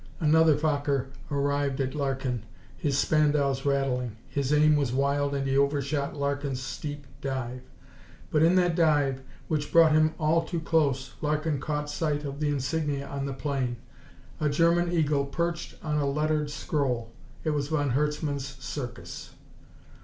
Another Fokker dived at Larkin, his Spandaus rattling. His aim was wild and he overshot Larkin's steep dive. But in that dive, which brought him all too close, Larkin caught sight of the insignia on the plane a German eagle perched on a lettered scroll. It was von Herzmann's Circus!